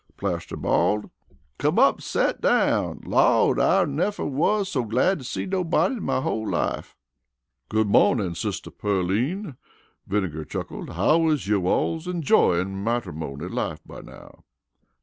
Plaster bawled. "Come up an' set down. Lawd, I nefer wus so glad to see nobody in my whole life." "Good mawnin', Sister Pearline!" Vinegar chuckled. "How is yo' alls enjoyin' mattermony life by now?"